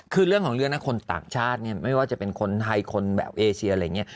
คือเรื่องของเรื่องนะคนต่างชาติเนี่ยไม่ว่าจะเป็นคนไทยคนแบบเอเชียอะไรอย่างนี้